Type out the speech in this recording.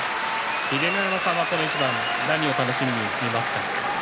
秀ノ山さんは、この一番何を楽しみに見ますか？